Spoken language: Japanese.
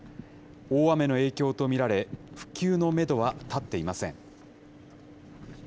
大雨の影響と見られ、復旧のメドは立っていません。